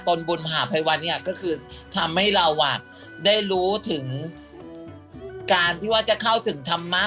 ตนบุญมหาภัยวันเนี่ยก็คือทำให้เราได้รู้ถึงการที่ว่าจะเข้าถึงธรรมะ